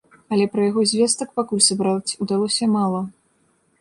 Але пра яго звестак пакуль сабраць удалося мала.